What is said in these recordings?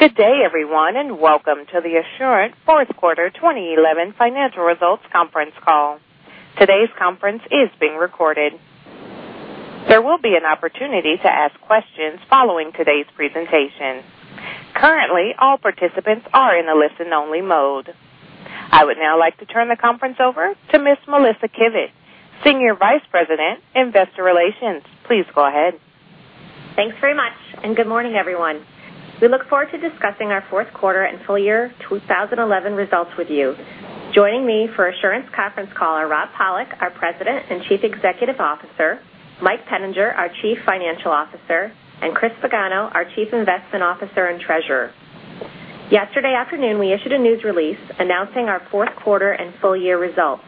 Simple. Good day, everyone. Welcome to the Assurant fourth quarter 2011 financial results conference call. Today's conference is being recorded. There will be an opportunity to ask questions following today's presentation. Currently, all participants are in a listen-only mode. I would now like to turn the conference over to Ms. Melissa Kivett, Senior Vice President, Investor Relations. Please go ahead. Thanks very much. Good morning, everyone. We look forward to discussing our fourth quarter and full year 2011 results with you. Joining me for Assurant's conference call are Rob Pollock, our President and Chief Executive Officer, Mike Peninger, our Chief Financial Officer, and Chris Pagano, our Chief Investment Officer and Treasurer. Yesterday afternoon, we issued a news release announcing our fourth quarter and full year results.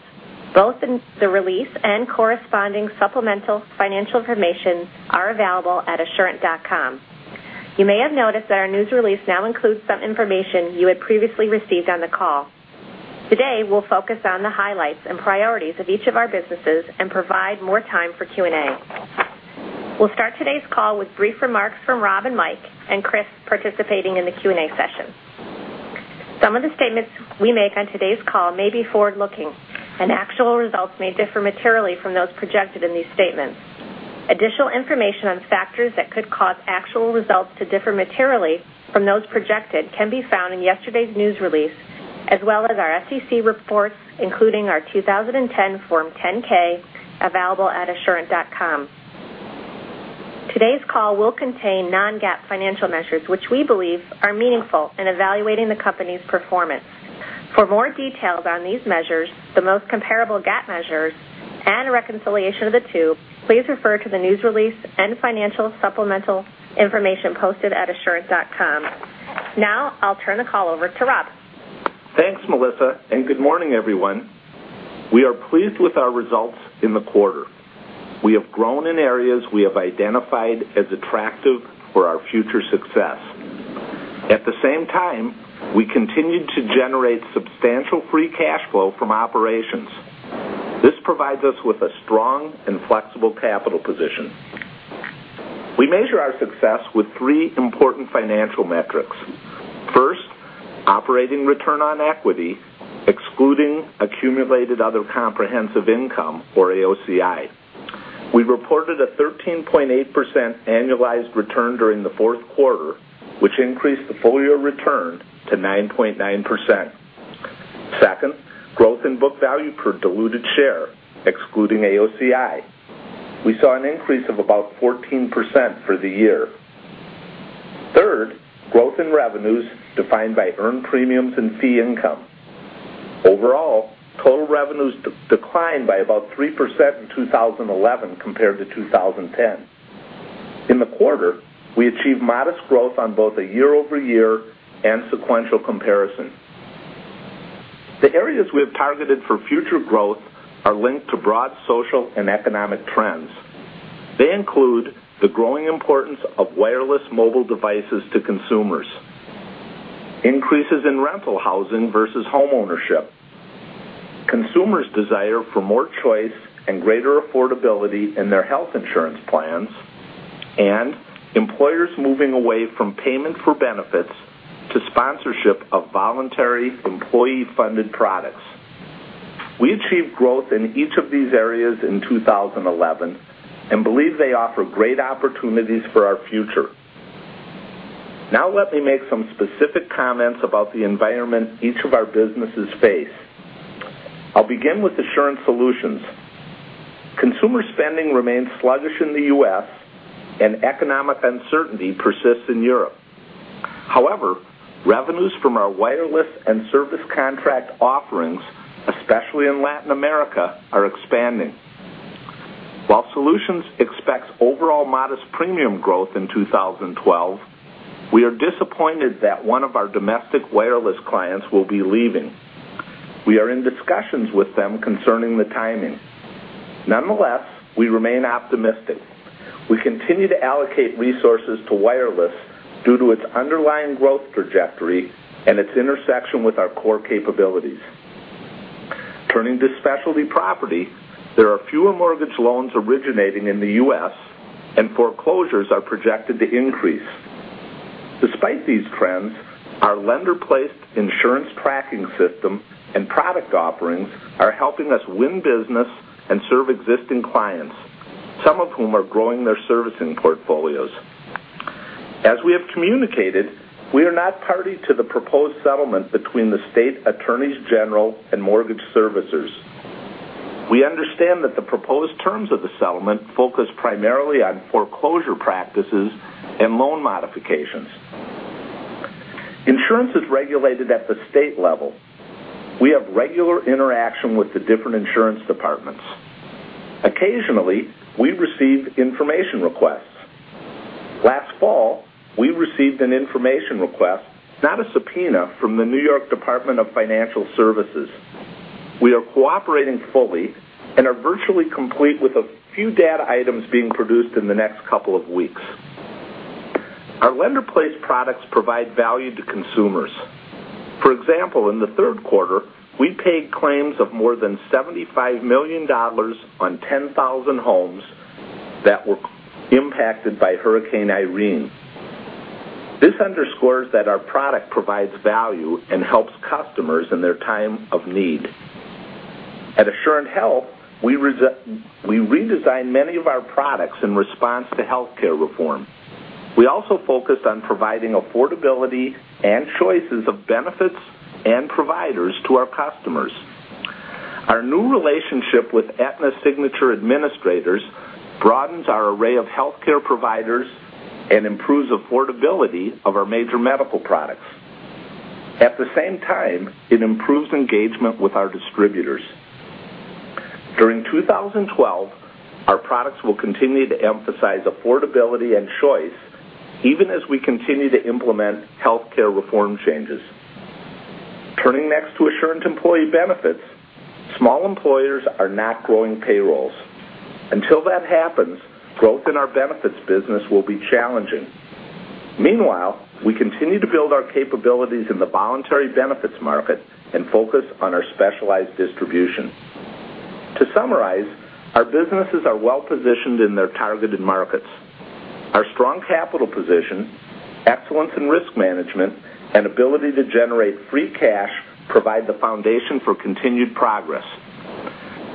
Both the release and corresponding supplemental financial information are available at assurant.com. You may have noticed that our news release now includes some information you had previously received on the call. Today, we'll focus on the highlights and priorities of each of our businesses and provide more time for Q&A. We'll start today's call with brief remarks from Rob and Mike, and Chris participating in the Q&A session. Some of the statements we make on today's call may be forward-looking, and actual results may differ materially from those projected in these statements. Additional information on factors that could cause actual results to differ materially from those projected can be found in yesterday's news release, as well as our SEC reports, including our 2010 Form 10-K, available at assurant.com. Today's call will contain non-GAAP financial measures, which we believe are meaningful in evaluating the company's performance. For more details on these measures, the most comparable GAAP measures, and a reconciliation of the two, please refer to the news release and financial supplemental information posted at assurant.com. I'll turn the call over to Rob. Thanks, Melissa. Good morning, everyone. We are pleased with our results in the quarter. We have grown in areas we have identified as attractive for our future success. At the same time, we continued to generate substantial free cash flow from operations. This provides us with a strong and flexible capital position. We measure our success with three important financial metrics. First, operating return on equity, excluding accumulated other comprehensive income, or AOCI. We reported a 13.8% annualized return during the fourth quarter, which increased the full-year return to 9.9%. Second, growth in book value per diluted share, excluding AOCI. We saw an increase of about 14% for the year. Third, growth in revenues defined by earned premiums and fee income. Overall, total revenues declined by about 3% in 2011 compared to 2010. In the quarter, we achieved modest growth on both a year-over-year and sequential comparison. The areas we have targeted for future growth are linked to broad social and economic trends. They include the growing importance of wireless mobile devices to consumers, increases in rental housing versus home ownership, consumers' desire for more choice and greater affordability in their health insurance plans, and employers moving away from payment for benefits to sponsorship of voluntary employee-funded products. We achieved growth in each of these areas in 2011 and believe they offer great opportunities for our future. Let me make some specific comments about the environment each of our businesses face. I will begin with Assurant Solutions. Consumer spending remains sluggish in the U.S., and economic uncertainty persists in Europe. Revenues from our wireless and service contract offerings, especially in Latin America, are expanding. While Assurant Solutions expects overall modest premium growth in 2012, we are disappointed that one of our domestic wireless clients will be leaving. We are in discussions with them concerning the timing. Nonetheless, we remain optimistic. We continue to allocate resources to wireless due to its underlying growth trajectory and its intersection with our core capabilities. Turning to specialty property, there are fewer mortgage loans originating in the U.S., and foreclosures are projected to increase. Despite these trends, our lender-placed insurance tracking system and product offerings are helping us win business and serve existing clients, some of whom are growing their servicing portfolios. As we have communicated, we are not party to the proposed settlement between the state attorneys general and mortgage servicers. We understand that the proposed terms of the settlement focus primarily on foreclosure practices and loan modifications. Insurance is regulated at the state level. We have regular interaction with the different insurance departments. Occasionally, we receive information requests. Last fall, we received an information request, not a subpoena, from the New York State Department of Financial Services. We are cooperating fully and are virtually complete with a few data items being produced in the next couple of weeks. Our lender-placed products provide value to consumers. For example, in the third quarter, we paid claims of more than $75 million on 10,000 homes that were impacted by Hurricane Irene. This underscores that our product provides value and helps customers in their time of need. At Assurant Health, we redesigned many of our products in response to healthcare reform. We also focused on providing affordability and choices of benefits and providers to our customers. Our new relationship with Aetna Signature Administrators broadens our array of healthcare providers and improves affordability of our major medical products. At the same time, it improves engagement with our distributors. During 2012, our products will continue to emphasize affordability and choice, even as we continue to implement healthcare reform changes. Turning next to Assurant Employee Benefits, small employers are not growing payrolls. Until that happens, growth in our benefits business will be challenging. Meanwhile, we continue to build our capabilities in the voluntary benefits market and focus on our specialized distribution. To summarize, our businesses are well positioned in their targeted markets. Our strong capital position, excellence in risk management, and ability to generate free cash provide the foundation for continued progress.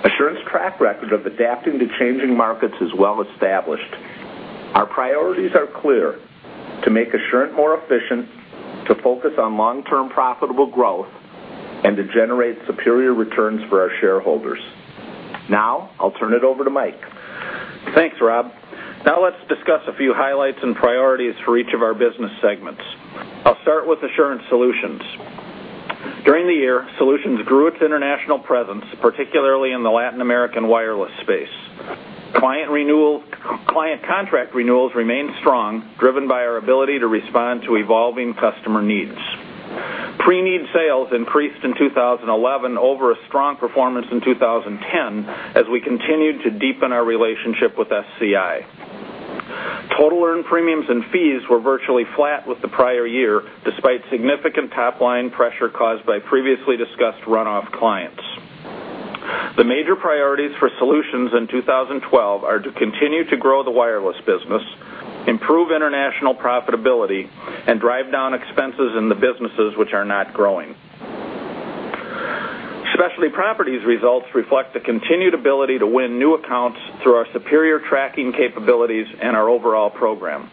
Assurant's track record of adapting to changing markets is well established. Our priorities are clear: to make Assurant more efficient, to focus on long-term profitable growth, and to generate superior returns for our shareholders. Now, I'll turn it over to Mike. Thanks, Rob. Let's discuss a few highlights and priorities for each of our business segments. I'll start with Assurant Solutions. During the year, Solutions grew its international presence, particularly in the Latin American wireless space. Client contract renewals remained strong, driven by our ability to respond to evolving customer needs. Pre-need sales increased in 2011 over a strong performance in 2010, as we continued to deepen our relationship with SCI. Total earned premiums and fees were virtually flat with the prior year, despite significant top-line pressure caused by previously discussed runoff clients. The major priorities for Solutions in 2012 are to continue to grow the wireless business, improve international profitability, and drive down expenses in the businesses which are not growing. Specialty Properties results reflect the continued ability to win new accounts through our superior tracking capabilities and our overall program.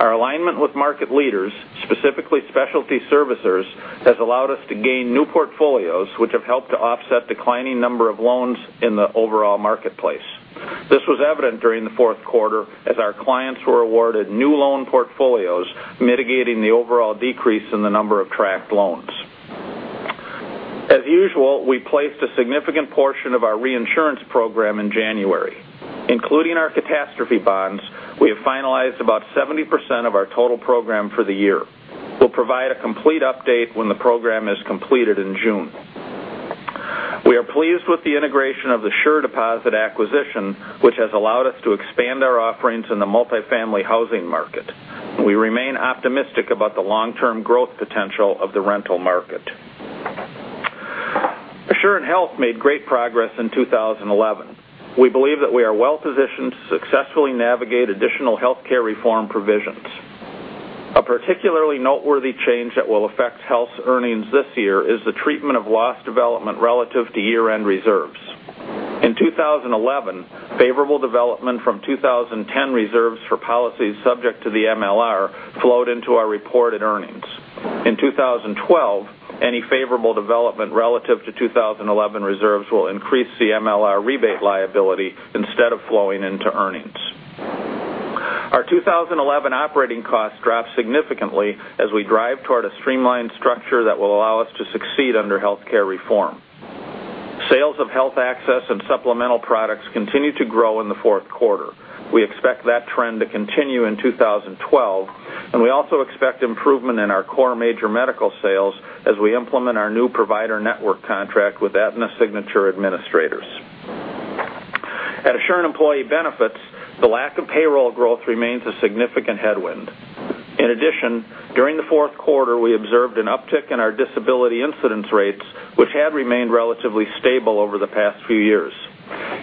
Our alignment with market leaders, specifically specialty servicers, has allowed us to gain new portfolios, which have helped to offset declining number of loans in the overall marketplace. This was evident during the fourth quarter as our clients were awarded new loan portfolios, mitigating the overall decrease in the number of tracked loans. As usual, we placed a significant portion of our reinsurance program in January. Including our catastrophe bonds, we have finalized about 70% of our total program for the year. We'll provide a complete update when the program is completed in June. We are pleased with the integration of the SureDeposit acquisition, which has allowed us to expand our offerings in the multifamily housing market. We remain optimistic about the long-term growth potential of the rental market. Assurant Health made great progress in 2011. We believe that we are well positioned to successfully navigate additional healthcare reform provisions. A particularly noteworthy change that will affect health earnings this year is the treatment of loss development relative to year-end reserves. In 2011, favorable development from 2010 reserves for policies subject to the MLR flowed into our reported earnings. In 2012, any favorable development relative to 2011 reserves will increase the MLR rebate liability instead of flowing into earnings. Our 2011 operating costs dropped significantly as we drive toward a streamlined structure that will allow us to succeed under healthcare reform. Sales of health access and supplemental products continued to grow in the fourth quarter. We expect that trend to continue in 2012, and we also expect improvement in our core major medical sales as we implement our new provider network contract with Aetna Signature Administrators. At Assurant Employee Benefits, the lack of payroll growth remains a significant headwind. In addition, during the fourth quarter, we observed an uptick in our disability incidence rates, which had remained relatively stable over the past few years.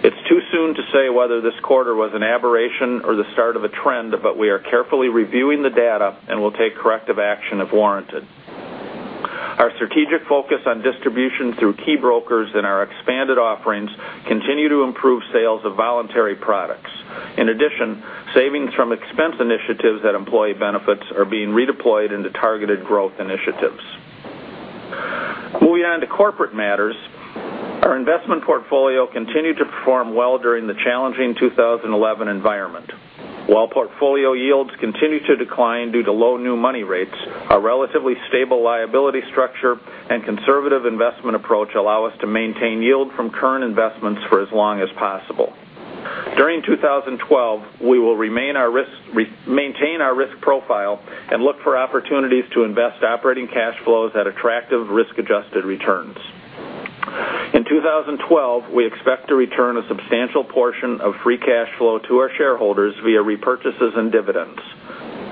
It's too soon to say whether this quarter was an aberration or the start of a trend, but we are carefully reviewing the data and will take corrective action if warranted. Our strategic focus on distribution through key brokers and our expanded offerings continue to improve sales of voluntary products. In addition, savings from expense initiatives at Employee Benefits are being redeployed into targeted growth initiatives. Moving on to corporate matters, our investment portfolio continued to perform well during the challenging 2011 environment. While portfolio yields continue to decline due to low new money rates, our relatively stable liability structure and conservative investment approach allow us to maintain yield from current investments for as long as possible. During 2012, we will maintain our risk profile and look for opportunities to invest operating cash flows at attractive risk-adjusted returns. In 2012, we expect to return a substantial portion of free cash flow to our shareholders via repurchases and dividends.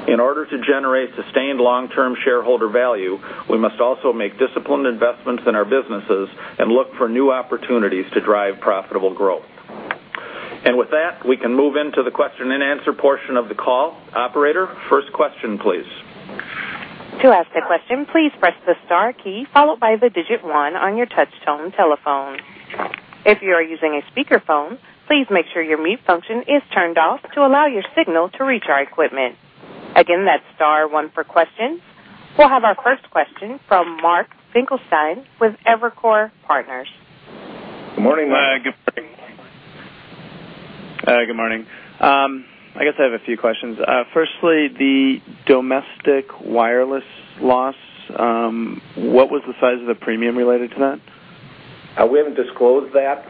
In order to generate sustained long-term shareholder value, we must also make disciplined investments in our businesses and look for new opportunities to drive profitable growth. With that, we can move into the question and answer portion of the call. Operator, first question, please. To ask a question, please press the star key, followed by the digit one on your touch-tone telephone. If you are using a speakerphone, please make sure your mute function is turned off to allow your signal to reach our equipment. Again, that's star one for questions. We'll have our first question from Mark Finkelstein with Evercore Partners. Good morning, Mark. Good morning. I guess I have a few questions. Firstly, the domestic wireless loss, what was the size of the premium related to that? We haven't disclosed that.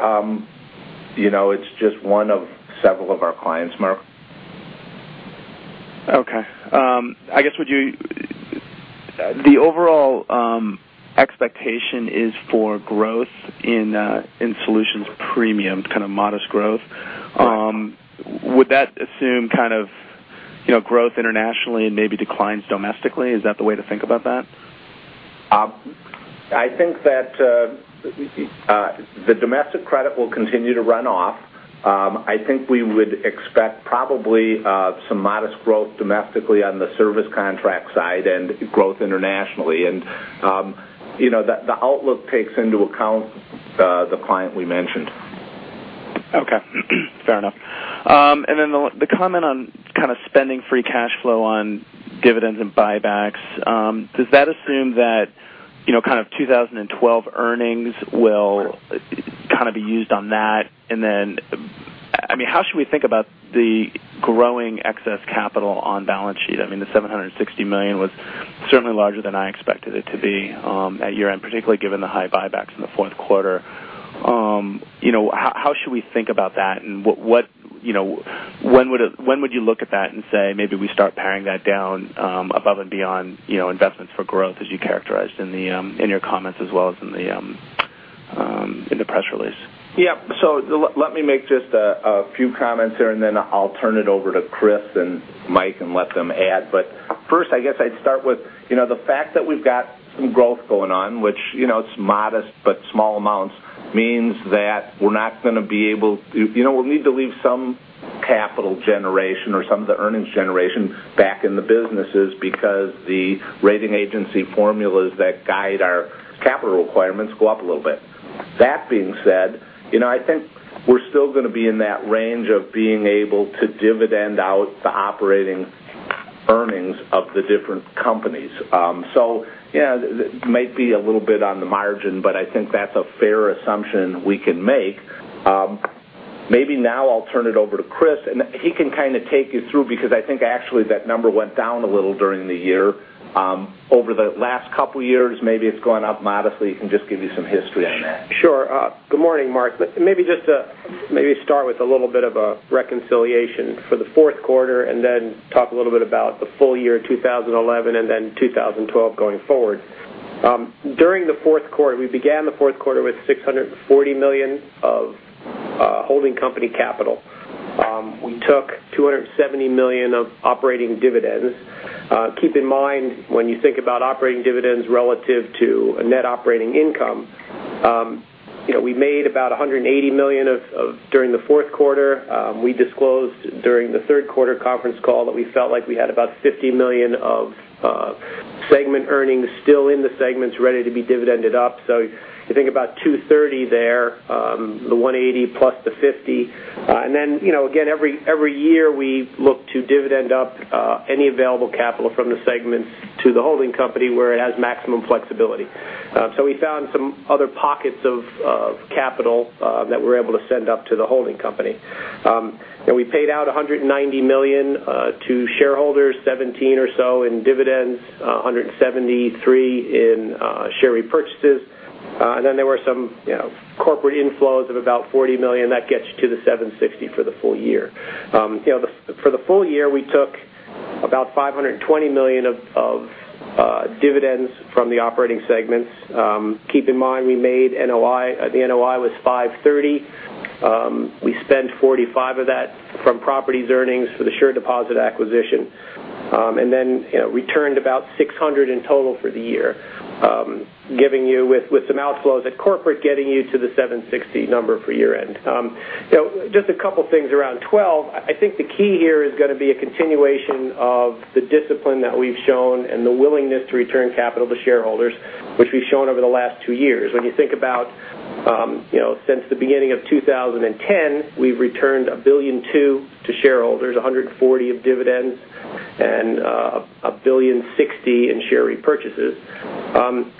It's just one of several of our clients, Mark. Okay. I guess, the overall expectation is for growth in Solutions premium, kind of modest growth. Correct. Would that assume growth internationally and maybe declines domestically? Is that the way to think about that? I think that the domestic credit will continue to run off. I think we would expect probably some modest growth domestically on the service contract side and growth internationally. The outlook takes into account the client we mentioned. Okay. Fair enough. Then the comment on spending free cash flow on dividends and buybacks, does that assume that 2012 earnings will be used on that? Then, how should we think about the growing excess capital on balance sheet? The $760 million was certainly larger than I expected it to be at year-end, particularly given the high buybacks in the fourth quarter. How should we think about that, and when would you look at that and say, maybe we start paring that down above and beyond investments for growth as you characterized in your comments as well as in the press release? Yep. Let me make just a few comments here, then I'll turn it over to Chris and Mike and let them add. First, I guess I'd start with the fact that we've got some growth going on, which it's modest, but small amounts means that we'll need to leave some capital generation or some of the earnings generation back in the businesses because the rating agency formulas that guide our capital requirements go up a little bit. That being said, I think we're still going to be in that range of being able to dividend out the operating earnings of the different companies. Yeah, it might be a little bit on the margin, but I think that's a fair assumption we can make. Maybe now I'll turn it over to Chris, and he can take you through, because I think actually that number went down a little during the year. Over the last couple of years, maybe it's gone up modestly. He can just give you some history on that. Sure. Good morning, Mark. Maybe start with a little bit of a reconciliation for the fourth quarter, and then talk a little bit about the full year 2011 and then 2012 going forward. During the fourth quarter, we began the fourth quarter with $640 million of holding company capital. We took $270 million of operating dividends. Keep in mind, when you think about operating dividends relative to net operating income, we made about $180 million during the fourth quarter. We disclosed during the third quarter conference call that we felt like we had about $50 million of segment earnings still in the segments ready to be dividended up. You think about $230 there, the $180 plus the $50. Then, again, every year, we look to dividend up any available capital from the segments to the holding company where it has maximum flexibility. We found some other pockets of capital that we're able to send up to the holding company. We paid out $190 million to shareholders, $17 or so in dividends, $173 in share repurchases. There were some corporate inflows of about $40 million. That gets you to the $760 for the full year. For the full year, we took about $520 million of dividends from the operating segments. Keep in mind we made NOI. The NOI was $530. We spent $45 of that from properties earnings for the SureDeposit acquisition. Then returned about $600 in total for the year. With some outflows at corporate, getting you to the $760 number for year-end. Just a couple of things around 2012. I think the key here is going to be a continuation of the discipline that we've shown and the willingness to return capital to shareholders, which we've shown over the last two years. When you think about since the beginning of 2010, we've returned $1.2 billion to shareholders, $140 million of dividends and $1.06 billion in share repurchases.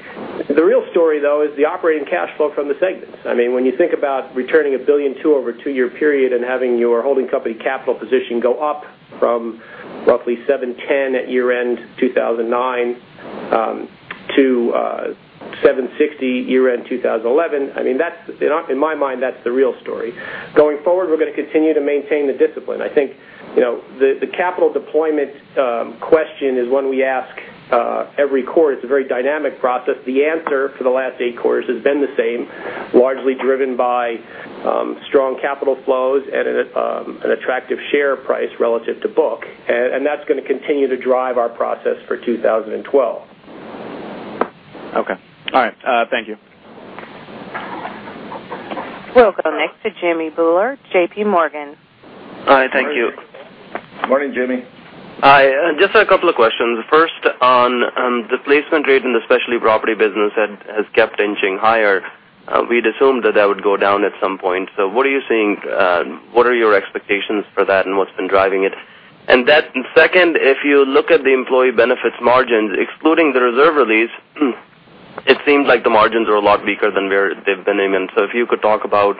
The real story, though, is the operating cash flow from the segments. When you think about returning $1.2 billion over a two-year period and having your holding company capital position go up from roughly $710 million at year-end 2009 to 760 year-end 2011. In my mind, that's the real story. Going forward, we're going to continue to maintain the discipline. I think the capital deployment question is one we ask every quarter. It's a very dynamic process. The answer for the last eight quarters has been the same, largely driven by strong capital flows and an attractive share price relative to book. That's going to continue to drive our process for 2012. Okay. All right. Thank you. We'll go next to Jimmy Bhullar, J.P. Morgan. Hi, thank you. Morning, Jimmy. Hi. Just a couple of questions. First, on the placement rate in the specialty property business has kept inching higher. We'd assumed that that would go down at some point. What are you seeing, what are your expectations for that, and what's been driving it? Second, if you look at the employee benefits margins, excluding the reserve release, it seems like the margins are a lot weaker than they've been. If you could talk about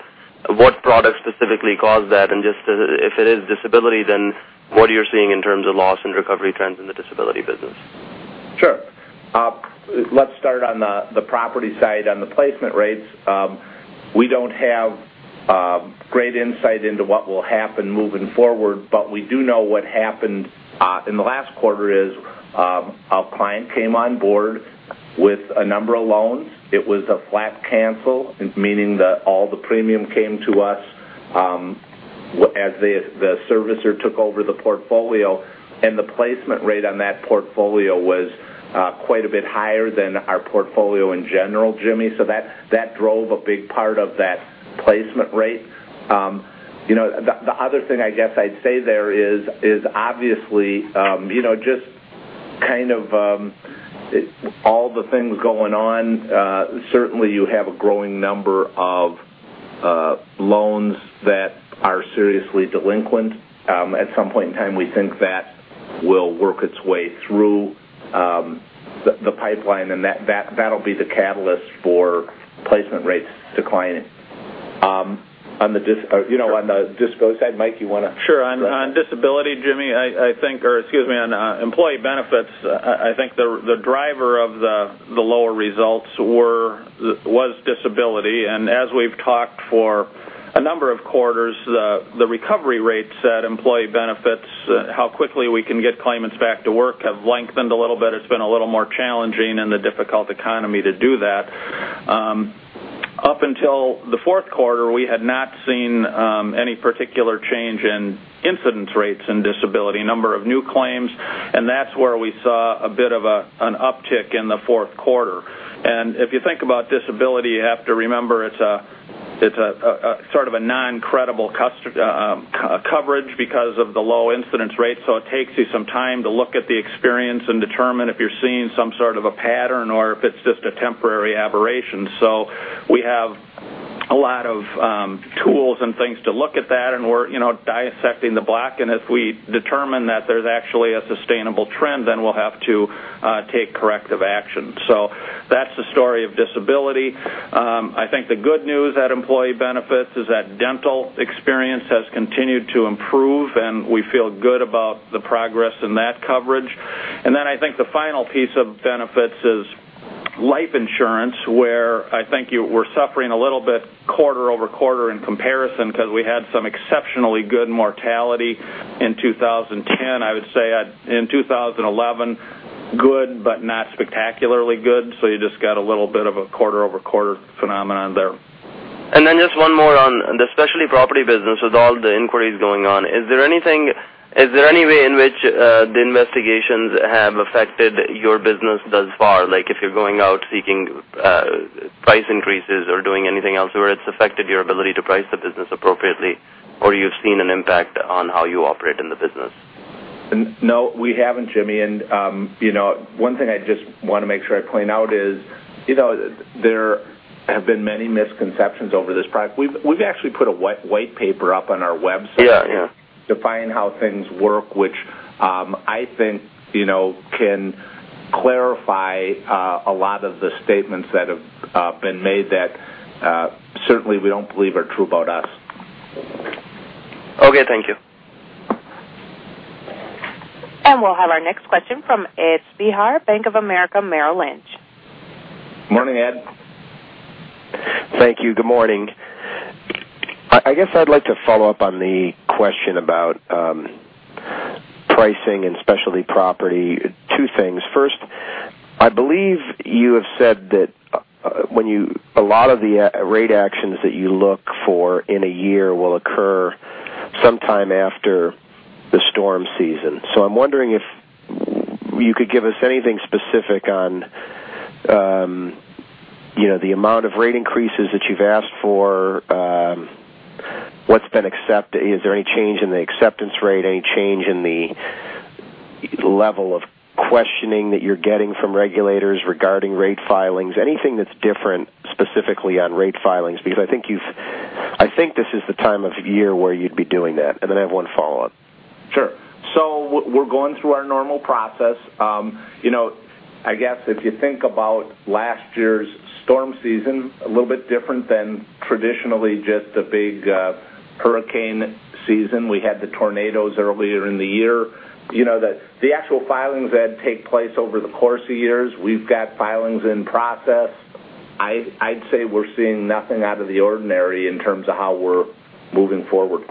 what products specifically caused that, and if it is disability, then what are you seeing in terms of loss and recovery trends in the disability business? Sure. Let's start on the property side, on the placement rates. We don't have great insight into what will happen moving forward, but we do know what happened in the last quarter is, a client came on board with a number of loans. It was a flat cancel, meaning that all the premium came to us as the servicer took over the portfolio, and the placement rate on that portfolio was quite a bit higher than our portfolio in general, Jimmy. That drove a big part of that placement rate. The other thing I guess I'd say there is obviously, just kind of all the things going on, certainly you have a growing number of loans that are seriously delinquent. At some point in time, we think that will work its way through the pipeline, and that'll be the catalyst for placement rates declining. On the disability side, Mike, you want to- Sure. On disability, Jimmy, I think or excuse me, on Assurant Employee Benefits, I think the driver of the lower results was disability. As we've talked for a number of quarters, the recovery rates at Assurant Employee Benefits, how quickly we can get claimants back to work have lengthened a little bit. It's been a little more challenging in the difficult economy to do that. Up until the fourth quarter, we had not seen any particular change in incidence rates in disability, number of new claims, and that's where we saw a bit of an uptick in the fourth quarter. If you think about disability, you have to remember it's a sort of a non-credible coverage because of the low incidence rate. It takes you some time to look at the experience and determine if you're seeing some sort of a pattern or if it's just a temporary aberration. We have a lot of tools and things to look at that, we're dissecting the block, if we determine that there's actually a sustainable trend, we'll have to take corrective action. That's the story of disability. I think the good news at Assurant Employee Benefits is that dental experience has continued to improve, and we feel good about the progress in that coverage. I think the final piece of benefits is life insurance, where I think you were suffering a little bit quarter-over-quarter in comparison because we had some exceptionally good mortality in 2010. I would say in 2011, good but not spectacularly good. You just got a little bit of a quarter-over-quarter phenomenon there. Just one more on the specialty property business with all the inquiries going on. Is there any way in which the investigations have affected your business thus far? Like if you're going out seeking price increases or doing anything else where it's affected your ability to price the business appropriately, or you've seen an impact on how you operate in the business. No, we haven't, Jimmy. One thing I just want to make sure I point out is there have been many misconceptions over this product. We've actually put a white paper up on our website. Yeah. Defining how things work, which I think can clarify a lot of the statements that have been made that certainly we don't believe are true about us. Okay. Thank you. We'll have our next question from Ed Spehar, Bank of America, Merrill Lynch. Morning, Ed. Thank you. Good morning. I guess I'd like to follow up on the question about pricing and specialty property. Two things. First, I believe you have said that a lot of the rate actions that you look for in a year will occur sometime after the storm season. I'm wondering if you could give us anything specific on the amount of rate increases that you've asked for, what's been accepted. Is there any change in the acceptance rate, any change in the level of questioning that you're getting from regulators regarding rate filings? Anything that's different specifically on rate filings, because I think this is the time of year where you'd be doing that. I have one follow-up. Sure. We're going through our normal process. I guess if you think about last year's storm season, a little bit different than traditionally just a big Hurricane season, we had the tornadoes earlier in the year. The actual filings that take place over the course of years, we've got filings in process. I'd say we're seeing nothing out of the ordinary in terms of how we're moving forward.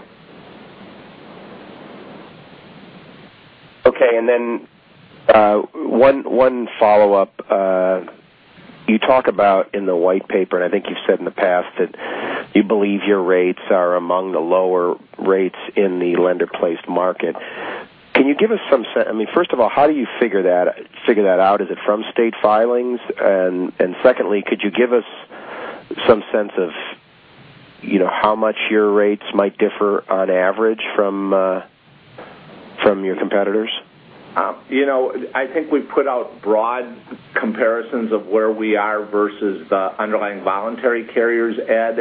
Okay, one follow-up. You talk about in the white paper, I think you've said in the past, that you believe your rates are among the lower rates in the Lender-Placed market. First of all, how do you figure that out? Is it from state filings? Secondly, could you give us some sense of how much your rates might differ on average from your competitors? I think we've put out broad comparisons of where we are versus the underlying voluntary carriers, Ed.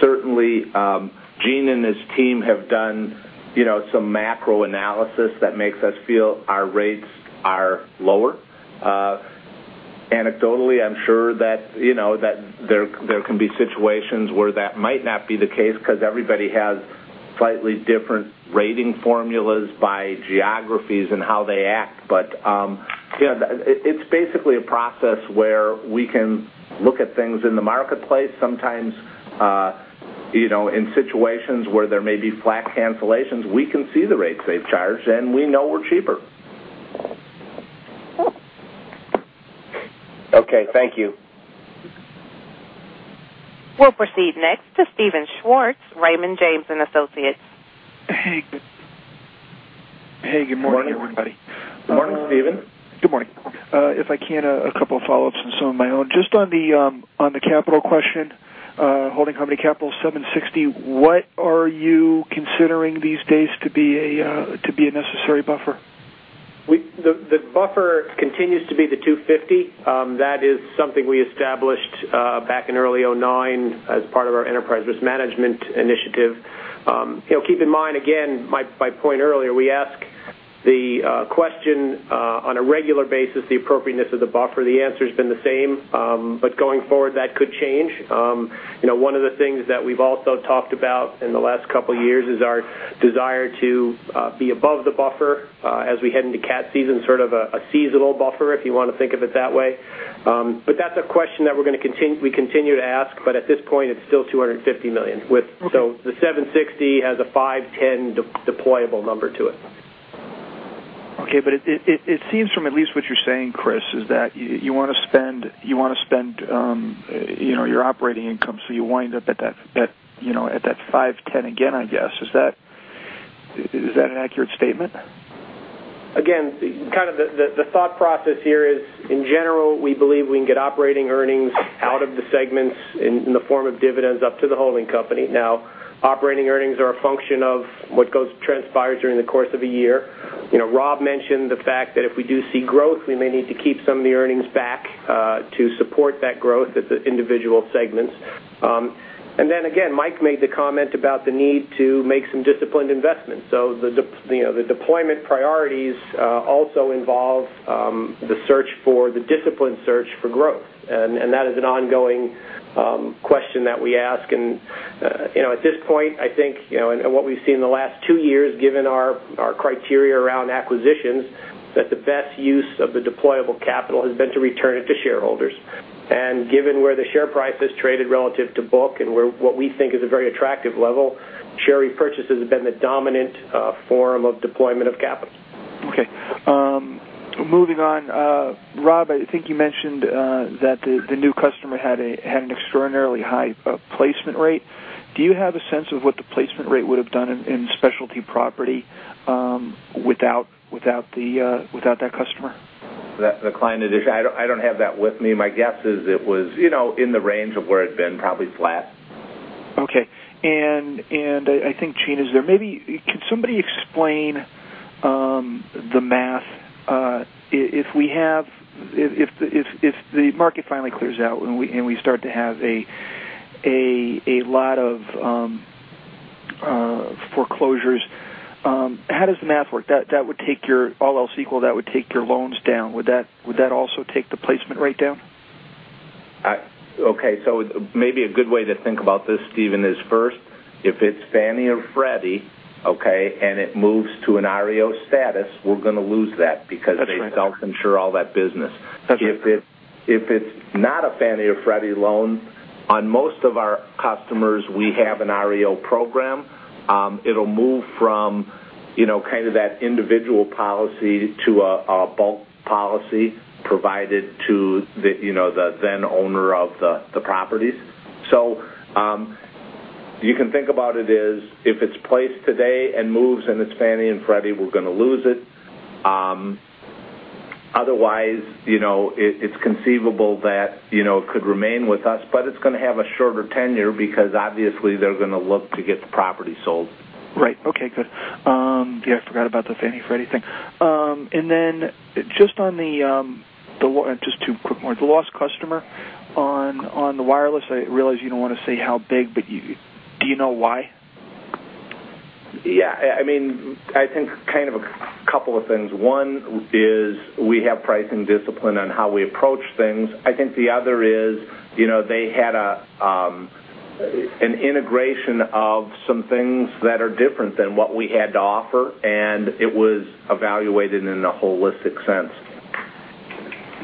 Certainly, Gene and his team have done some macro analysis that makes us feel our rates are lower. Anecdotally, I'm sure that there can be situations where that might not be the case because everybody has slightly different rating formulas by geographies and how they act. It's basically a process where we can look at things in the marketplace. Sometimes, in situations where there may be flat cancellations, we can see the rates they've charged, and we know we're cheaper. Okay. Thank you. We'll proceed next to Steven Schwartz, Raymond James & Associates. Hey, good morning, everybody. Morning. Morning, Steven. Good morning. If I can, a couple of follow-ups and some of my own. Just on the capital question, holding company capital $760, what are you considering these days to be a necessary buffer? The buffer continues to be the $250. That is something we established back in early 2009 as part of our enterprise risk management initiative. Keep in mind, again, my point earlier, we ask the question on a regular basis, the appropriateness of the buffer. The answer's been the same. Going forward, that could change. One of the things that we've also talked about in the last couple of years is our desire to be above the buffer as we head into cat season, sort of a seasonal buffer, if you want to think of it that way. That's a question that we continue to ask. At this point, it's still $250 million. The $760 has a $510 deployable number to it. Okay. It seems from at least what you're saying, Chris, is that you want to spend your operating income, so you wind up at that $510 again, I guess. Is that an accurate statement? Again, the thought process here is, in general, we believe we can get operating earnings out of the segments in the form of dividends up to the holding company. Now, operating earnings are a function of what transpires during the course of a year. Rob mentioned the fact that if we do see growth, we may need to keep some of the earnings back to support that growth at the individual segments. Again, Mike made the comment about the need to make some disciplined investments. The deployment priorities also involve the disciplined search for growth. That is an ongoing question that we ask. At this point, I think, and what we've seen in the last two years, given our criteria around acquisitions, that the best use of the deployable capital has been to return it to shareholders. Given where the share price has traded relative to book and what we think is a very attractive level, share repurchases have been the dominant form of deployment of capital. Okay. Moving on. Rob, I think you mentioned that the new customer had an extraordinarily high placement rate. Do you have a sense of what the placement rate would have done in specialty property without that customer? The client addition, I don't have that with me. My guess is it was in the range of where it's been, probably flat. Okay. I think Gene is there. Maybe, can somebody explain the math? If the market finally clears out and we start to have a lot of foreclosures, how does the math work? All else equal, that would take your loans down. Would that also take the placement rate down? Okay. Maybe a good way to think about this, Steven, is first, if it's Fannie or Freddie, okay, and it moves to an REO status, we're going to lose that because they self-insure all that business. That's right. If it's not a Fannie or Freddie loan, on most of our customers, we have an REO program. It'll move from kind of that individual policy to a bulk policy provided to the then owner of the properties. You can think about it as if it's placed today and moves and it's Fannie and Freddie, we're going to lose it. Otherwise, it's conceivable that it could remain with us, but it's going to have a shorter tenure because obviously they're going to look to get the property sold. Right. Okay, good. Yeah, I forgot about the Fannie Freddie thing. Then just two quick more. The lost customer on the wireless, I realize you don't want to say how big, but do you know why? I think a couple of things. One is we have pricing discipline on how we approach things. I think the other is, they had an integration of some things that are different than what we had to offer, and it was evaluated in a holistic sense.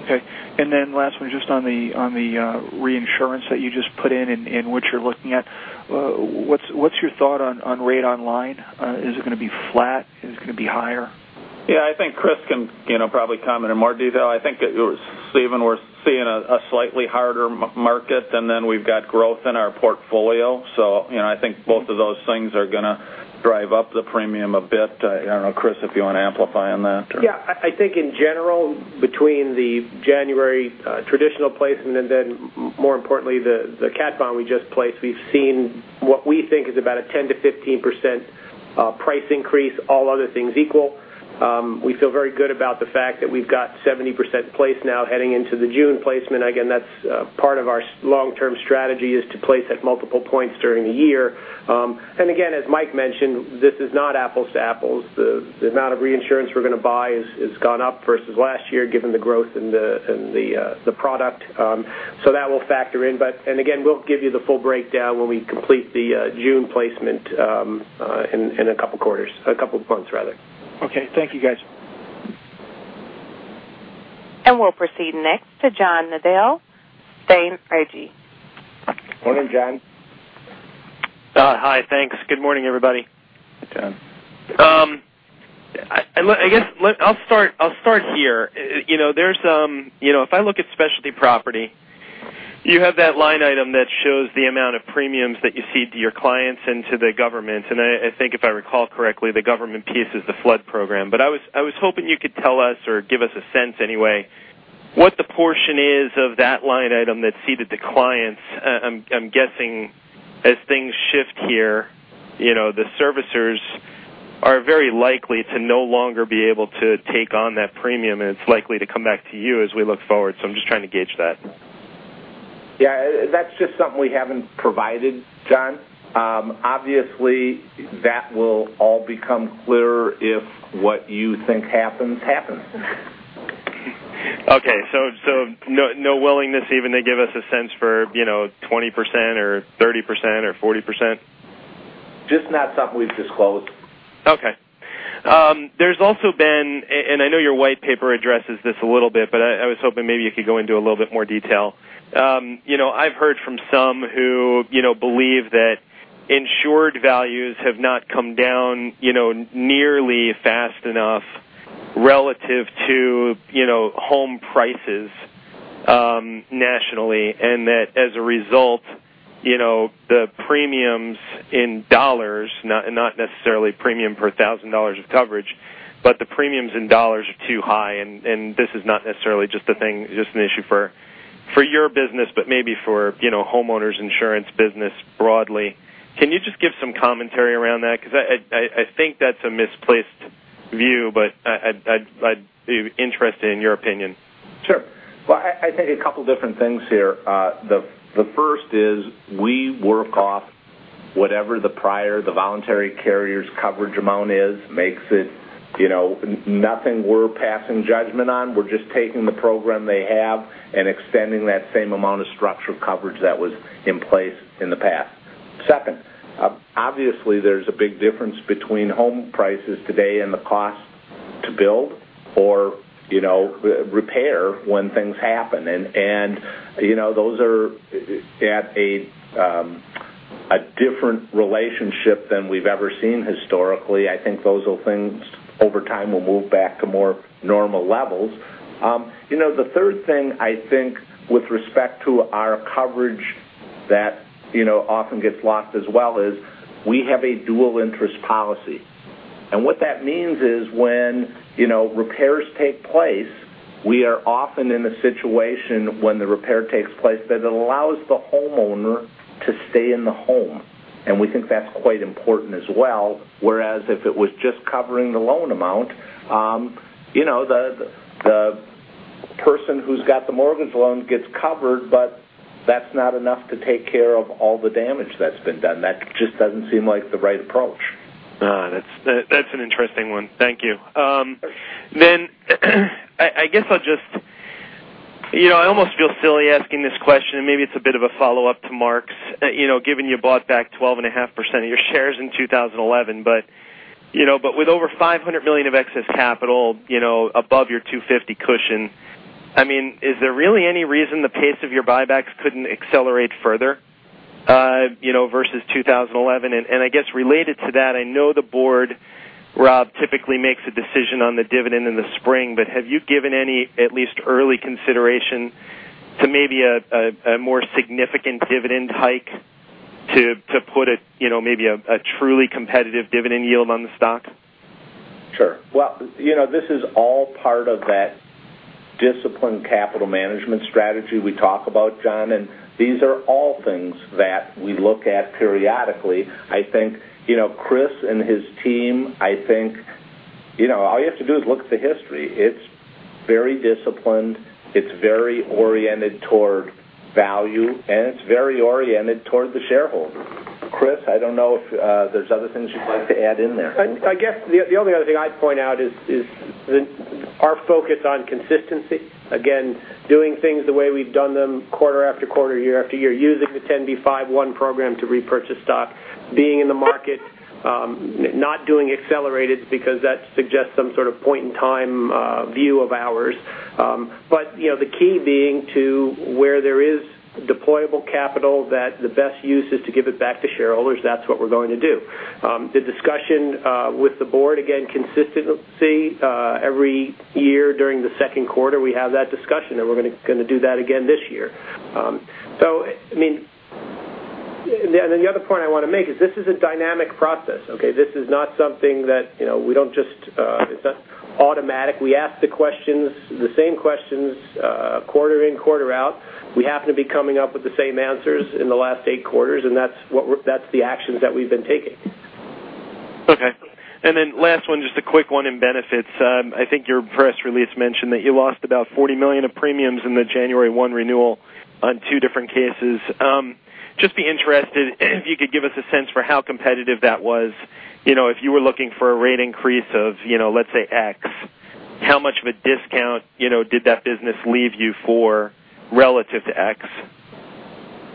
Okay. Last one, just on the reinsurance that you just put in and what you're looking at, what's your thought on rate on line? Is it going to be flat? Is it going to be higher? I think Chris can probably comment in more detail. I think that, Steven, we're seeing a slightly harder market than we've got growth in our portfolio. I think both of those things are going to drive up the premium a bit. I don't know, Chris, if you want to amplify on that. I think in general, between the January traditional placement and then more importantly, the cat bond we just placed, we've seen what we think is about a 10%-15% price increase, all other things equal. We feel very good about the fact that we've got 70% placed now heading into the June placement. Again, that's part of our long-term strategy is to place at multiple points during the year. Again, as Mike mentioned, this is not apples to apples. The amount of reinsurance we're going to buy has gone up versus last year, given the growth in the product. That will factor in. Again, we'll give you the full breakdown when we complete the June placement in a couple of quarters, a couple of months, rather. Okay. Thank you, guys. We'll proceed next to John Nadel, Sterne Agee. Morning, John. Hi. Thanks. Good morning, everybody. John. I guess I'll start here. If I look at specialty property, you have that line item that shows the amount of premiums that you cede to your clients and to the government. I think if I recall correctly, the government piece is the flood program. I was hoping you could tell us or give us a sense anyway, what the portion is of that line item that's ceded to clients. I'm guessing as things shift here, the servicers are very likely to no longer be able to take on that premium, and it's likely to come back to you as we look forward. I'm just trying to gauge that. Yeah, that's just something we haven't provided, John. Obviously, that will all become clearer if what you think happens. Okay. No willingness even to give us a sense for 20% or 30% or 40%? Just not something we've disclosed. Okay. There's also been. I know your white paper addresses this a little bit, but I was hoping maybe you could go into a little bit more detail. I've heard from some who believe that insured values have not come down nearly fast enough relative to home prices nationally, and that as a result, the premiums in dollars, not necessarily premium per $1,000 of coverage, but the premiums in dollars are too high, and this is not necessarily just an issue for your business, but maybe for homeowners insurance business broadly. Can you just give some commentary around that? I think that's a misplaced view, but I'd be interested in your opinion. Sure. Well, I think a couple of different things here. The first is we work off whatever the prior the voluntary carrier's coverage amount is, makes it nothing we're passing judgment on. We're just taking the program they have and extending that same amount of structural coverage that was in place in the past. Second, obviously, there's a big difference between home prices today and the cost to build or repair when things happen. Those are at a different relationship than we've ever seen historically. I think those things over time will move back to more normal levels. The third thing, I think, with respect to our coverage that often gets lost as well, is we have a dual interest policy. What that means is when repairs take place, we are often in a situation when the repair takes place that allows the homeowner to stay in the home. We think that's quite important as well, whereas if it was just covering the loan amount, the person who's got the mortgage loan gets covered, but that's not enough to take care of all the damage that's been done. That just doesn't seem like the right approach. That's an interesting one. Thank you. I guess I almost feel silly asking this question. Maybe it's a bit of a follow-up to Mark's, given you bought back 12.5% of your shares in 2011. With over $500 million of excess capital above your $250 cushion, is there really any reason the pace of your buybacks couldn't accelerate further versus 2011? I guess related to that, I know the board, Rob, typically makes a decision on the dividend in the spring, but have you given any, at least early consideration to maybe a more significant dividend hike to put maybe a truly competitive dividend yield on the stock? Sure. Well, this is all part of that disciplined capital management strategy we talk about, John. These are all things that we look at periodically. I think Chris and his team, all you have to do is look at the history. It's very disciplined, it's very oriented toward value, and it's very oriented toward the shareholder. Chris, I don't know if there's other things you'd like to add in there. I guess the only other thing I'd point out is our focus on consistency. Again, doing things the way we've done them quarter after quarter, year after year, using the 10b5-1 program to repurchase stock, being in the market, not doing accelerated because that suggests some sort of point-in-time view of ours. The key being to where there is deployable capital that the best use is to give it back to shareholders, that's what we're going to do. The discussion with the board, again, consistency, every year during the second quarter, we have that discussion. We're going to do that again this year. The other point I want to make is this is a dynamic process. This is not something that, it's not automatic. We ask the questions, the same questions, quarter in, quarter out. We happen to be coming up with the same answers in the last eight quarters. That's the actions that we've been taking. Okay. Last one, just a quick one in benefits. I think your press release mentioned that you lost about $40 million of premiums in the January 1 renewal on two different cases. Just be interested if you could give us a sense for how competitive that was. If you were looking for a rate increase of, let's say, X, how much of a discount did that business leave you for relative to X?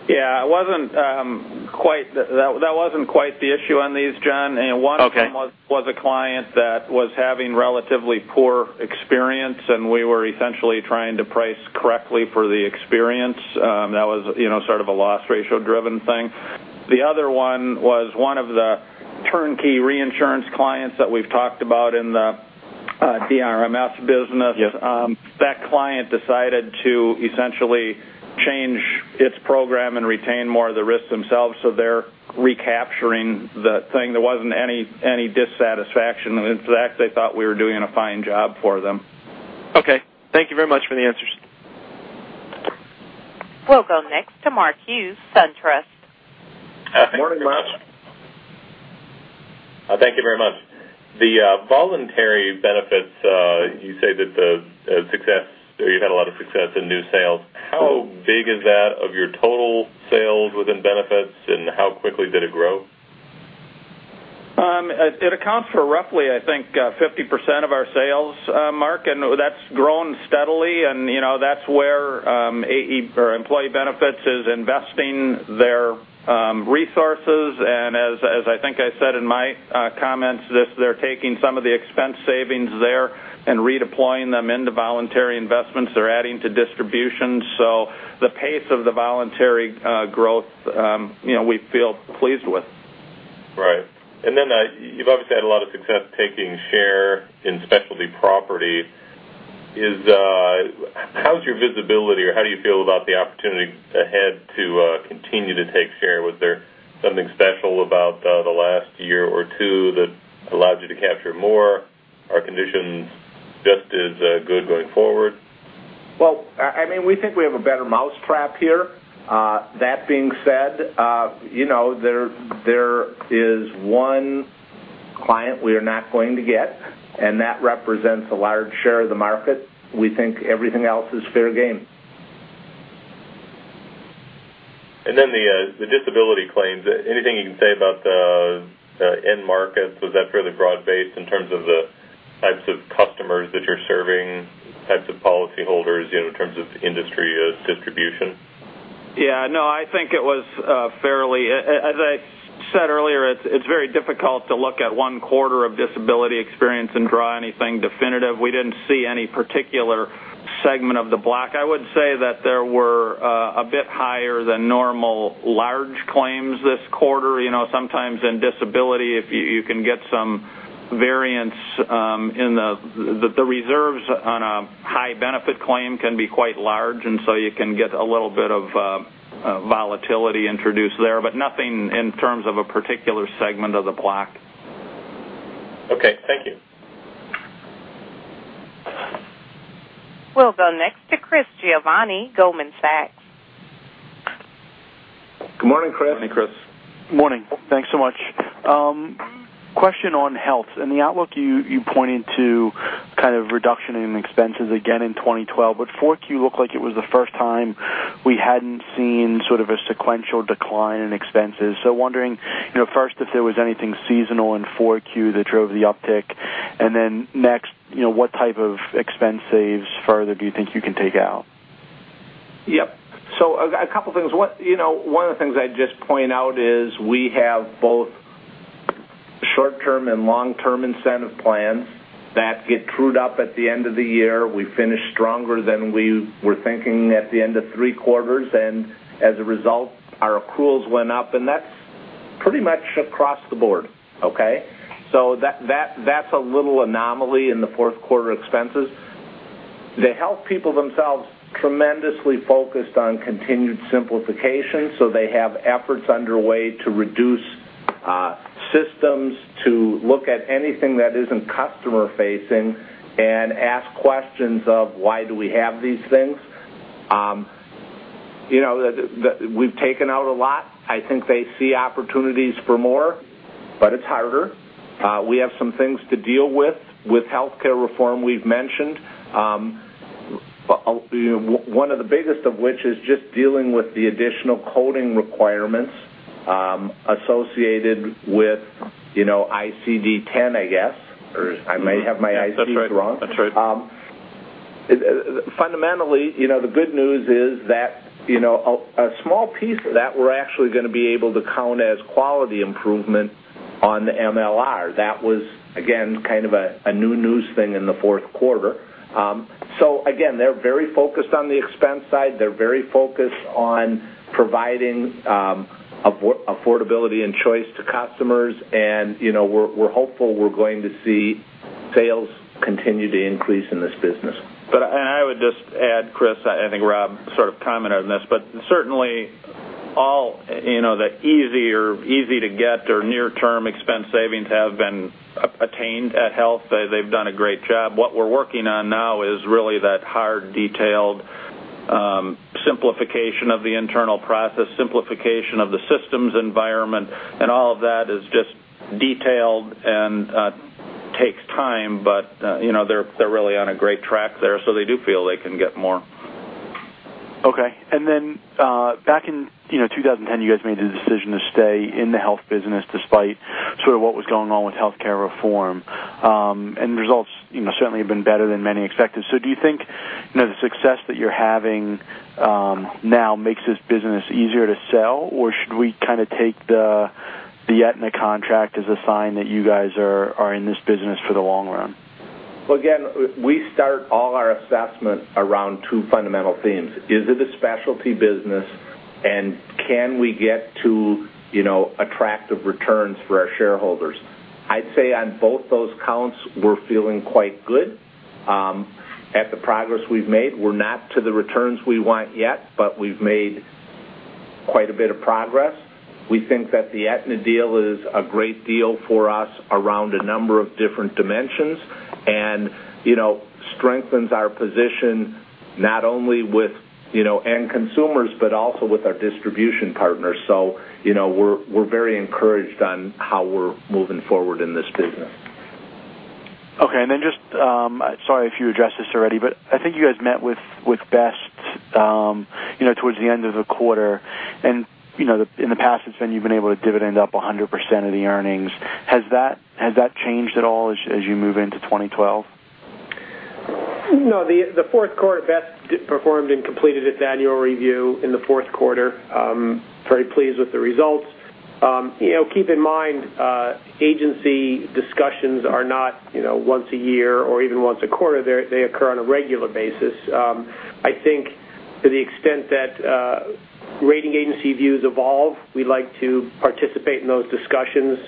Yeah, that wasn't quite the issue on these, John. Okay. One was a client that was having relatively poor experience, and we were essentially trying to price correctly for the experience. That was sort of a loss ratio-driven thing. The other one was one of the turnkey reinsurance clients that we've talked about in the BRMS business. Yes. That client decided to essentially change its program and retain more of the risks themselves, so they're recapturing the thing. There wasn't any dissatisfaction. In fact, they thought we were doing a fine job for them. Okay. Thank you very much for the answers. We'll go next to Mark Hughes, SunTrust. Morning, Mark. Thank you very much. The voluntary benefits, you say that you had a lot of success in new sales. How big is that of your total sales within benefits, and how quickly did it grow? It accounts for roughly, I think, 50% of our sales, Mark, and that's grown steadily, and that's where AE, or Employee Benefits, is investing their resources. As I think I said in my comments, they're taking some of the expense savings there and redeploying them into voluntary investments. They're adding to distribution. The pace of the voluntary growth, we feel pleased with. Right. You've obviously had a lot of success taking share in specialty property. How's your visibility, or how do you feel about the opportunity ahead to continue to take share? Was there something special about the last year or two that allowed you to capture more? Are conditions just as good going forward? Well, we think we have a better mousetrap here. That being said, there is one client we are not going to get, that represents a large share of the market. We think everything else is fair game. The disability claims, anything you can say about the end markets? Was that fairly broad-based in terms of the types of customers that you're serving, types of policyholders in terms of industry distribution? Yeah. As I said earlier, it's very difficult to look at one quarter of disability experience and draw anything definitive. We didn't see any particular segment of the block. I would say that there were a bit higher than normal large claims this quarter. Sometimes in disability, you can get some variance in the reserves on a high benefit claim can be quite large, you can get a little bit of volatility introduced there, nothing in terms of a particular segment of the block. Okay. Thank you. We'll go next to Chris Giovanni, Goldman Sachs. Good morning, Chris. Morning, Chris. Morning. Thanks so much. Question on health. In the outlook, you pointed to kind of reduction in expenses again in 2012, but Q4 looked like it was the first time we hadn't seen sort of a sequential decline in expenses. Wondering, first, if there was anything seasonal in Q4 that drove the uptick, and then next, what type of expense saves further do you think you can take out? Yep. A couple things. One of the things I'd just point out is we have both short-term and long-term incentive plans that get trued up at the end of the year. We finish stronger than we were thinking at the end of three quarters, and as a result, our accruals went up, and that's pretty much across the board. Okay? That's a little anomaly in the fourth quarter expenses. The health people themselves tremendously focused on continued simplification, they have efforts underway to reduce systems to look at anything that isn't customer-facing and ask questions of why do we have these things. We've taken out a lot. I think they see opportunities for more, but it's harder. We have some things to deal with healthcare reform, we've mentioned. One of the biggest of which is just dealing with the additional coding requirements associated with ICD 10, I guess. I may have my ICD wrong. That's right. Fundamentally, the good news is that a small piece of that, we're actually going to be able to count as quality improvement on the MLR. That was, again, kind of a new news thing in the fourth quarter. Again, they're very focused on the expense side. They're very focused on providing affordability and choice to customers. We're hopeful we're going to see sales continue to increase in this business. I would just add, Chris, I think Rob sort of commented on this, but certainly all the easier, easy to get or near-term expense savings have been attained at Assurant Health. They've done a great job. What we're working on now is really that hard, detailed simplification of the internal process, simplification of the systems environment, and all of that is just detailed and takes time. They're really on a great track there, so they do feel they can get more. Okay. Back in 2010, you guys made the decision to stay in the Assurant Health business despite sort of what was going on with healthcare reform. Results certainly have been better than many expected. Do you think the success that you're having now makes this business easier to sell, or should we kind of take the Aetna contract as a sign that you guys are in this business for the long run? Again, we start all our assessment around two fundamental themes. Is it a specialty business, and can we get to attractive returns for our shareholders? I'd say on both those counts, we're feeling quite good at the progress we've made. We're not to the returns we want yet, but we've made quite a bit of progress. We think that the Aetna deal is a great deal for us around a number of different dimensions and strengthens our position not only with end consumers, but also with our distribution partners. We're very encouraged on how we're moving forward in this business. Okay. Just, sorry if you addressed this already, but I think you guys met with Best towards the end of the quarter. In the past, it's been you've been able to dividend up 100% of the earnings. Has that changed at all as you move into 2012? No, the fourth quarter, Best performed and completed its annual review in the fourth quarter. Very pleased with the results. Keep in mind, agency discussions are not once a year or even once a quarter. They occur on a regular basis. I think to the extent that rating agency views evolve, we like to participate in those discussions,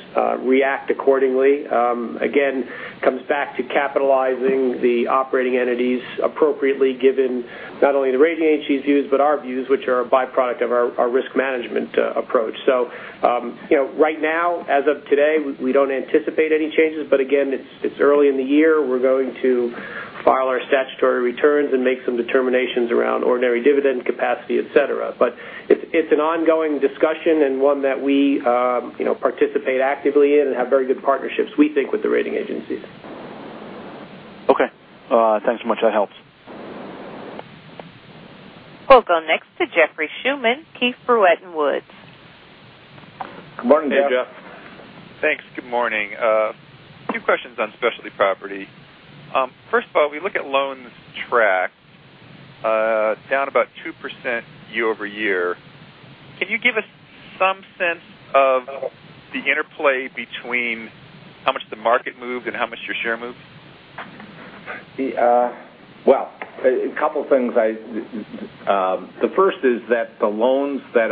react accordingly. Again, comes back to capitalizing the operating entities appropriately given not only the rating agency's views but our views, which are a byproduct of our risk management approach. Right now, as of today, we don't anticipate any changes. Again, it's early in the year. We're going to file our statutory returns and make some determinations around ordinary dividend capacity, et cetera. It's an ongoing discussion and one that we participate actively in and have very good partnerships, we think, with the rating agencies. Okay. Thanks so much. That helps. We'll go next to Jeffrey Schumann, Keefe, Bruyette & Woods. Good morning, Jeff. Hey, Jeff. Thanks. Good morning. Two questions on specialty property. First of all, we look at loans track, down about 2% year-over-year. Can you give us some sense of the interplay between how much the market moved and how much your share moved? Well, a couple of things. The first is that the loans that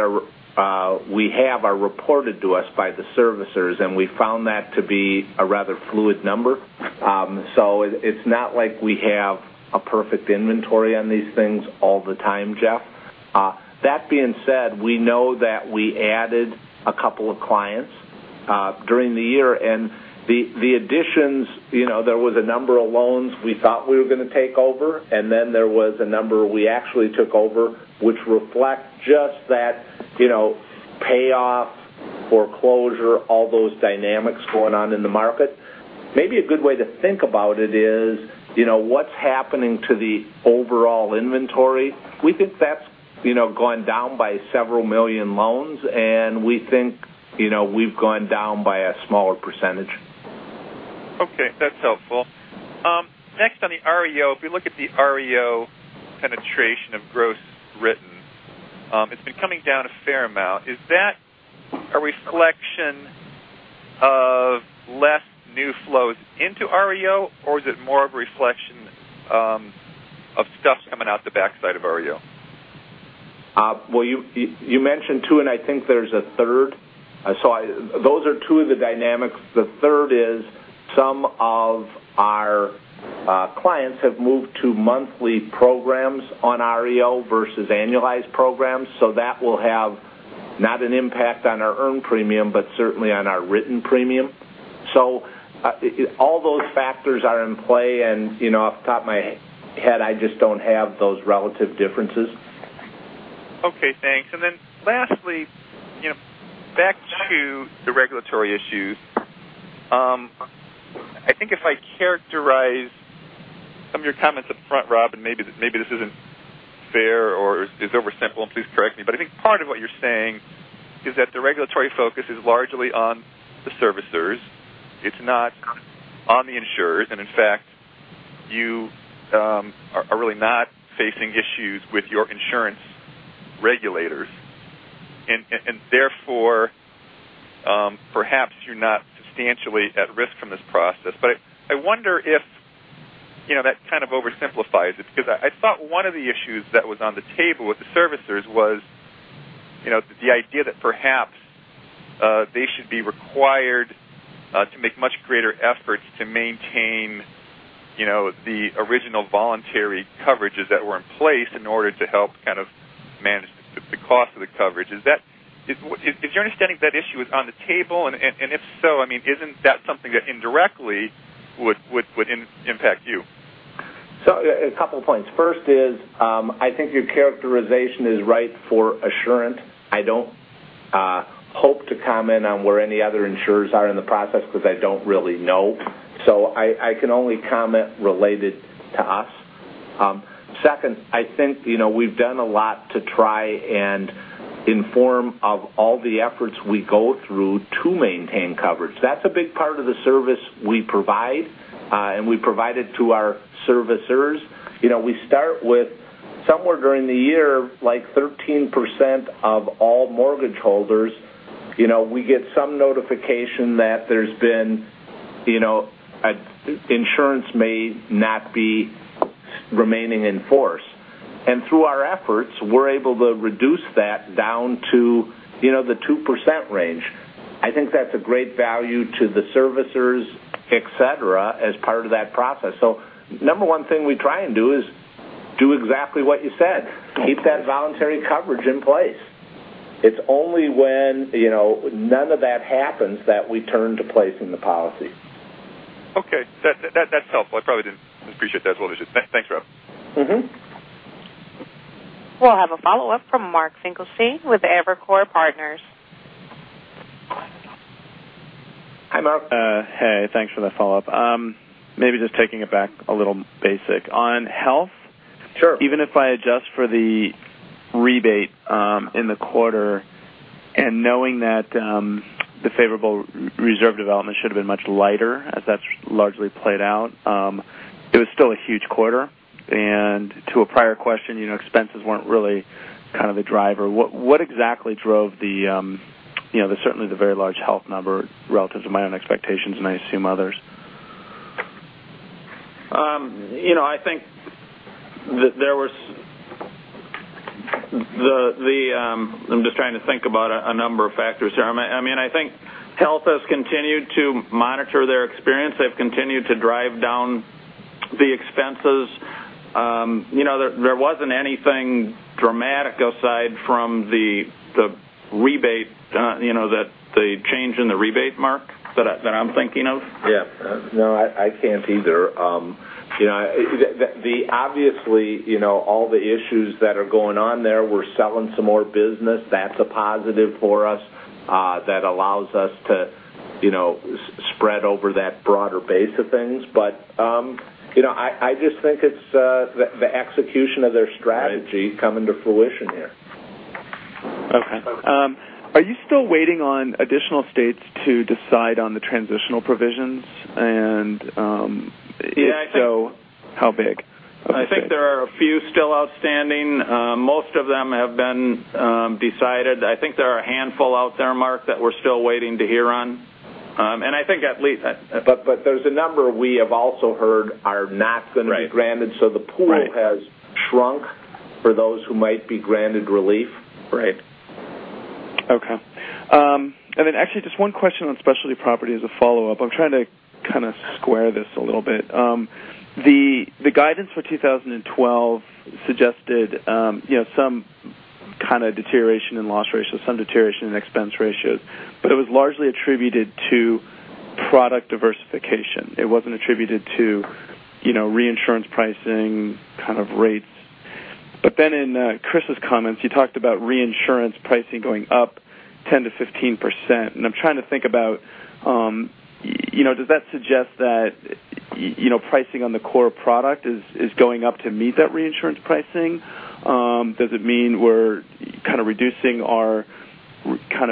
we have are reported to us by the servicers, and we found that to be a rather fluid number. It's not like we have a perfect inventory on these things all the time, Jeff. That being said, we know that we added a couple of clients during the year, and the additions, there was a number of loans we thought we were going to take over, and then there was a number we actually took over, which reflect just that payoff, foreclosure, all those dynamics going on in the market. Maybe a good way to think about it is, what's happening to the overall inventory. We think that's gone down by several million loans, and we think we've gone down by a smaller percentage. Okay, that's helpful. On the REO, if you look at the REO penetration of gross written, it's been coming down a fair amount. Is that a reflection of less new flows into REO, or is it more of a reflection of stuff coming out the backside of REO? Well, you mentioned two. I think there's a third. Those are two of the dynamics. The third is some of our clients have moved to monthly programs on REO versus annualized programs. That will have not an impact on our earned premium, but certainly on our written premium. All those factors are in play. Off the top of my head, I just don't have those relative differences. Okay, thanks. Lastly, back to the regulatory issues. I think if I characterize some of your comments up front, Rob, maybe this isn't fair or is over-simple. Please correct me, but I think part of what you're saying is that the regulatory focus is largely on the servicers. It's not on the insurers. In fact, you are really not facing issues with your insurance regulators. Therefore, perhaps you're not substantially at risk from this process. I wonder if that kind of oversimplifies it, because I thought one of the issues that was on the table with the servicers was the idea that perhaps they should be required to make much greater efforts to maintain the original voluntary coverages that were in place in order to help manage the cost of the coverage. Is your understanding that issue is on the table? If so, isn't that something that indirectly would impact you? A couple of points. First, I think your characterization is right for Assurant. I don't hope to comment on where any other insurers are in the process because I don't really know. I can only comment related to us. Second, I think we've done a lot to try and inform of all the efforts we go through to maintain coverage. That's a big part of the service we provide, and we provide it to our servicers. We start with somewhere during the year, 13% of all mortgage holders. We get some notification that insurance may not be remaining in force. Through our efforts, we're able to reduce that down to the 2% range. I think that's a great value to the servicers, et cetera, as part of that process. Number one thing we try and do is do exactly what you said, keep that voluntary coverage in place. It's only when none of that happens that we turn to placing the policy. Okay. That's helpful. I probably didn't appreciate that as well as I should. Thanks, Rob. We'll have a follow-up from Mark Finkelstein with Evercore Partners. Hi, Mark. Hey, thanks for the follow-up. Maybe just taking it back a little basic. On health. Sure Even if I adjust for the rebate in the quarter and knowing that the favorable reserve development should have been much lighter as that's largely played out, it was still a huge quarter. To a prior question, expenses weren't really the driver. What exactly drove certainly the very large health number relative to my own expectations and I assume others? I'm just trying to think about a number of factors here. I think health has continued to monitor their experience. They've continued to drive down the expenses. There wasn't anything dramatic aside from the change in the rebate, Mark, that I'm thinking of. Yeah. No, I can't either. Obviously, all the issues that are going on there, we're selling some more business. That's a positive for us. That allows us to spread over that broader base of things. I just think it's the execution of their strategy coming to fruition here. Okay. Are you still waiting on additional states to decide on the transitional provisions? If so, how big? I think there are a few still outstanding. Most of them have been decided. I think there are a handful out there, Mark, that we're still waiting to hear on. There's a number we have also heard are not going to be granted. Right. The pool has shrunk for those who might be granted relief. Right. Okay. Actually just one question on specialty property as a follow-up. I'm trying to kind of square this a little bit. The guidance for 2012 suggested some kind of deterioration in loss ratios, some deterioration in expense ratios, it was largely attributed to product diversification. It wasn't attributed to reinsurance pricing kind of rates. In Chris's comments, you talked about reinsurance pricing going up 10%-15%. I'm trying to think about, does that suggest that pricing on the core product is going up to meet that reinsurance pricing? Does it mean we're kind of reducing our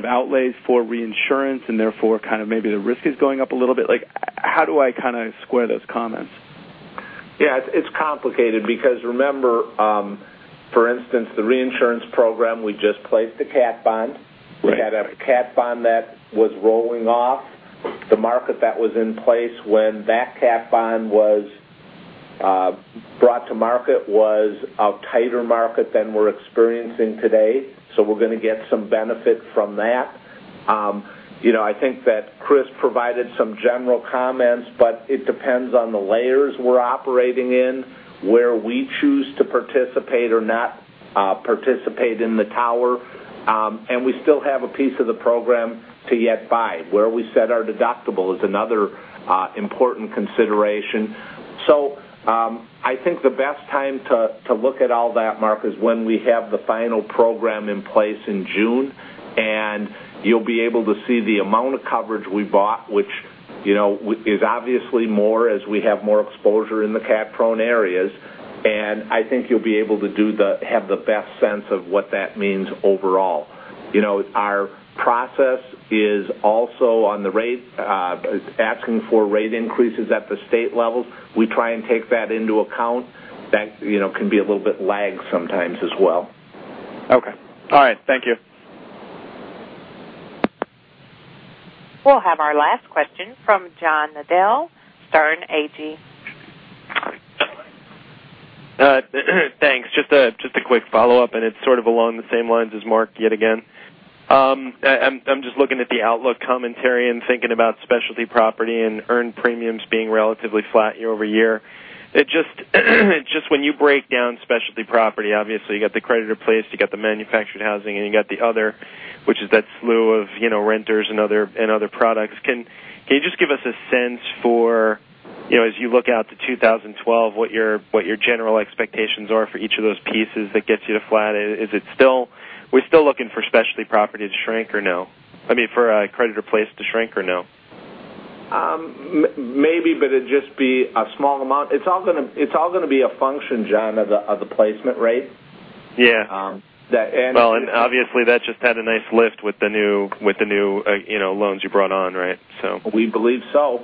outlays for reinsurance and therefore maybe the risk is going up a little bit? How do I square those comments? Yeah, it's complicated because remember, for instance, the reinsurance program, we just placed a cat bond. Right. We had a cat bond that was rolling off. The market that was in place when that cat bond was brought to market was a tighter market than we're experiencing today. We're going to get some benefit from that. I think that Chris provided some general comments, it depends on the layers we're operating in, where we choose to participate or not participate in the tower. We still have a piece of the program to yet buy. Where we set our deductible is another important consideration. I think the best time to look at all that, Mark, is when we have the final program in place in June, and you'll be able to see the amount of coverage we bought, which is obviously more as we have more exposure in the cat-prone areas. I think you'll be able to have the best sense of what that means overall. Our process is also on the rate, asking for rate increases at the state levels. We try and take that into account. That can be a little bit lag sometimes as well. Okay. All right. Thank you. We'll have our last question from John Nadel, Sterne Agee. Thanks. Just a quick follow-up, it's sort of along the same lines as Mark, yet again. I'm just looking at the outlook commentary and thinking about specialty property and earned premiums being relatively flat year-over-year. Just when you break down specialty property, obviously, you got the lender-placed, you got the manufactured housing, and you got the other, which is that slew of renters and other products. Can you just give us a sense for, as you look out to 2012, what your general expectations are for each of those pieces that gets you to flat? Are we still looking for specialty property to shrink or no? I mean, for a lender-placed to shrink or no? Maybe, it'd just be a small amount. It's all going to be a function, John, of the placement rate. Yeah. That, and- Well, obviously that just had a nice lift with the new loans you brought on, right. We believe so.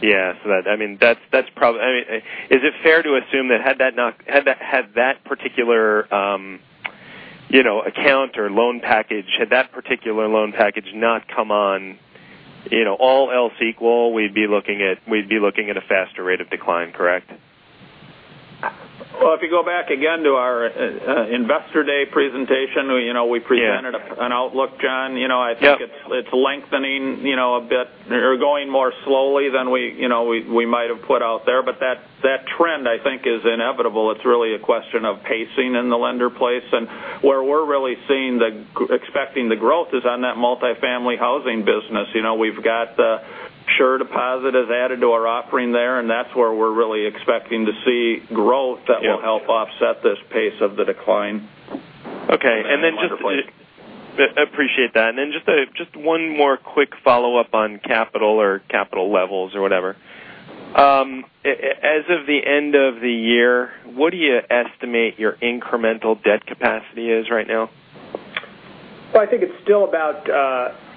Yeah. Is it fair to assume that had that particular loan package not come on, all else equal, we'd be looking at a faster rate of decline, correct? Well, if you go back again to our Investor Day presentation, we presented an outlook, John. Yeah. I think it's lengthening a bit or going more slowly than we might have put out there, that trend, I think, is inevitable. It's really a question of pacing in the Lender-Placed. Where we're really expecting the growth is on that multifamily housing business. We've got SureDeposit is added to our offering there, and that's where we're really expecting to see growth that will help offset this pace of the decline. Okay. In the Lender-Placed. Appreciate that. Just one more quick follow-up on capital or capital levels or whatever. As of the end of the year, what do you estimate your incremental debt capacity is right now? Well, I think it's still about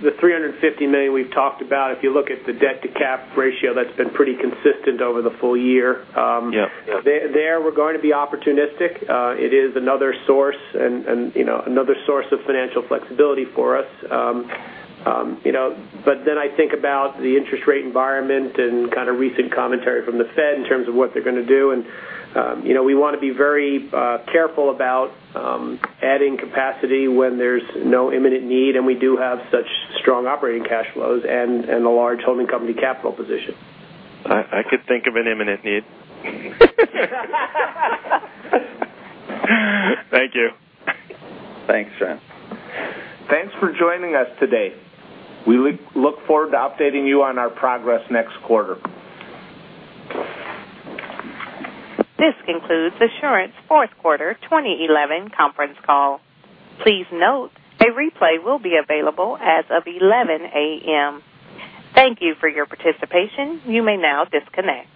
the $350 million we've talked about. If you look at the debt-to-cap ratio, that's been pretty consistent over the full year. Yeah. There, we're going to be opportunistic. It is another source of financial flexibility for us. I think about the interest rate environment and kind of recent commentary from the Fed in terms of what they're going to do, and we want to be very careful about adding capacity when there's no imminent need, and we do have such strong operating cash flows and a large holding company capital position. I could think of an imminent need. Thank you. Thanks, John. Thanks for joining us today. We look forward to updating you on our progress next quarter. This concludes Assurant's fourth quarter 2011 conference call. Please note, a replay will be available as of 11:00 A.M. Thank you for your participation. You may now disconnect.